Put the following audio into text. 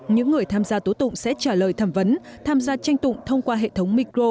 những người tham gia tố tụng sẽ trả lời thẩm vấn tham gia tranh tụng thông qua hệ thống micro